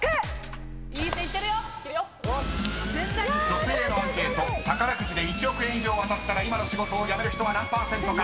［女性へのアンケート宝くじで１億円以上当たったら今の仕事を辞める人は何％か］